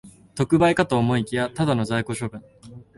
特売かと思いきや、ただの在庫処分